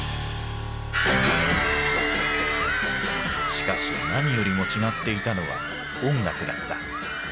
しかし何よりも違っていたのは音楽だった。